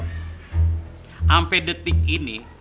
sampai detik ini